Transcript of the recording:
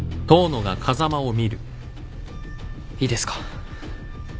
いいですか？